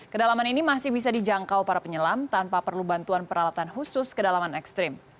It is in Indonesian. kedalaman ini masih bisa dijangkau para penyelam tanpa perlu bantuan peralatan khusus kedalaman ekstrim